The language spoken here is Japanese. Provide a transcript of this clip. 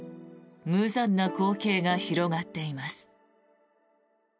無残な光景が広がっています。